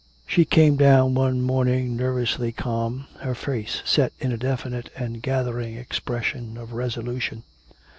She came down one morning nervously calm, her face set in a definite and gathering expression of resolution.